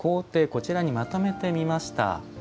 こちらにまとめてみました。